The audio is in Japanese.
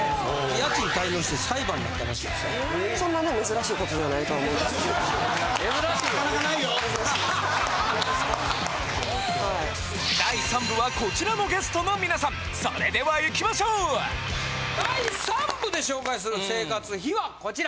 ・珍しい・・なかなかないよ・こちらのゲストのみなさんそれではいきましょう第３部で紹介する生活費はこちら！